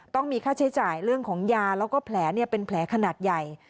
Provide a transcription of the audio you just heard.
ต้องมีค่าใช้จ่ายเรื่องของยาแล้วก็แผลเป็นแผลขนาดใหญ่